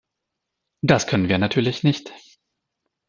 Das können wir natürlich nicht.